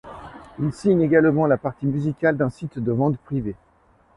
Il signe également la partie musicale d'un site de ventes privées.